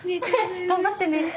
頑張ってね。